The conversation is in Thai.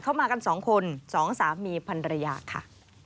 เข้ามากัน๒คน๒สามีพันธุ์ระยะค่ะ